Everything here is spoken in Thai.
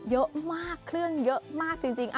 เยอะมากเครื่องเยอะมากจริง